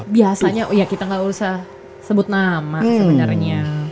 biasanya ya kita nggak usah sebut nama sebenarnya